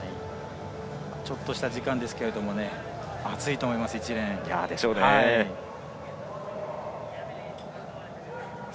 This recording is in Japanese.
ちょっとした時間ですが暑いと思います。